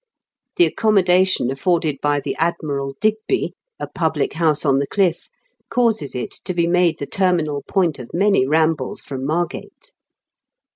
The accommodation afforded by The Admiral Digby, a public house on the cliff, causes it to be made the terminal point of many rambles from Margate.